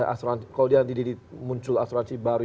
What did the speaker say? asuransi kalau dia nanti muncul asuransi baru